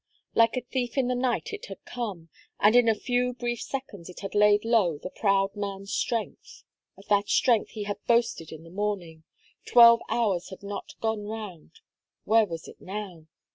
Like a thief in the night it had come; and in a few brief seconds it had laid low the proud man's strength. Of that strength he had boasted in the morning; twelve hours had not gone round where was it now?